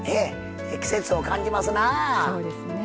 季節を感じますな！